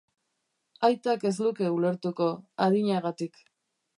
Aitak ez luke ulertuko, adinagatik.